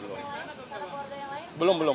belum belum belum